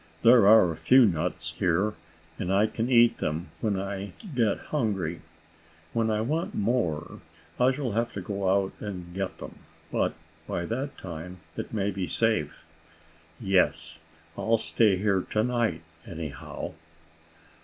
"There are a few nuts here, and I can eat them when I get hungry. When I want more, I shall have to go out and get them, but, by that time, it may be safe. Yes, I'll stay here to night, anyhow."